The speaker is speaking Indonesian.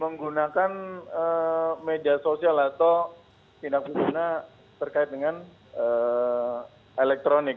menggunakan media sosial atau tindak pidana terkait dengan elektronik